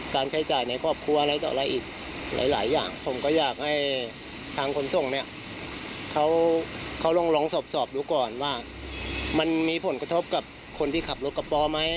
เขารองรองสอบดูก่อนว่ามันมีผลกระทบกับคนที่ขับรถกระป๋อไหม